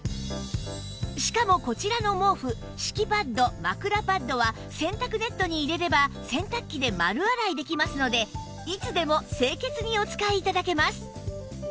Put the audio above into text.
しかもこちらの毛布敷きパッド枕パッドは洗濯ネットに入れれば洗濯機で丸洗いできますのでいつでも清潔にお使い頂けます